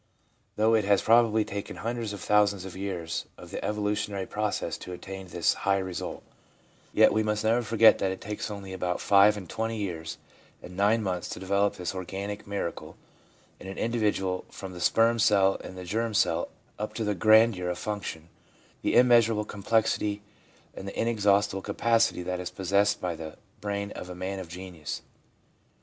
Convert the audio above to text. Though it has probably taken hundreds of thousands of years of the evolutionary process to attain this high result, yet we must never forget that it takes only about five and twenty years 1 Clouston, Neuroses of Development, p. 112. ADOLESCENCE— STORM AND STRESS 229 and nine months to develop this organic miracle in an individual from the sperm cell and the germ cell up to the grandeur of function, the immeasurable complexity and the inexhaustible capacity that is possessed by the brain of a man of genius.